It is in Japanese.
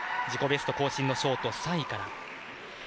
自己ベスト更新のショート３位から。